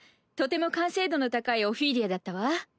とても完成度の高いオフィーリアだったわ。